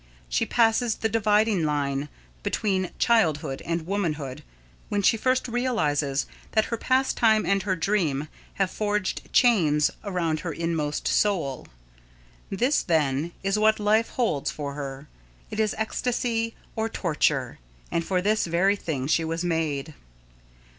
She passes the dividing line between childhood and womanhood when she first realises that her pastime and her dream have forged chains around her inmost soul. This, then, is what life holds for her; it is ecstasy or torture, and for this very thing she was made.